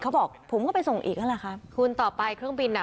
เขาบอกผมก็ไปส่งอีกนั่นแหละค่ะคุณต่อไปเครื่องบินน่ะ